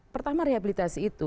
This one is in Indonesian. pertama rehabilitasi itu